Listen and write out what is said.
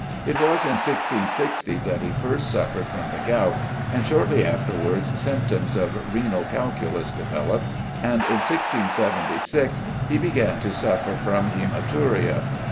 It was in 1660 that he first suffered from the gout, and shortly afterwards symptoms of renal calculus developed, and in 1676 he began to suffer from hæmaturia.